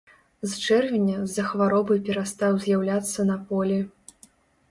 З чэрвеня з-за хваробы перастаў з'яўляцца на полі.